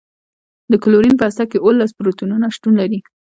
د کلورین په هسته کې اوولس پروتونونه شتون لري.